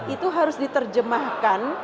itu harus diterjemahkan